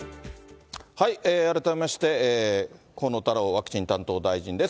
改めまして、河野太郎ワクチン担当大臣です。